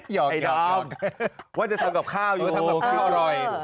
หยอกว่าจะทำกับข้าวอยู่ทำกับข้าวอร่อย